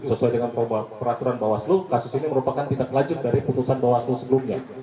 sesuai dengan peraturan bawaslu kasus ini merupakan tindak lanjut dari putusan bawaslu sebelumnya